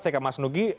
saya ke mas dugi